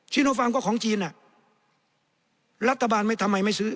ซิโนฟาร์มก็ของจีนรัฐบาลทำไมไม่ซื้อ